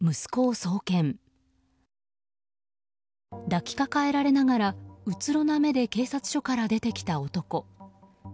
抱きかかえられながらうつろな目で警察署から出てきた男。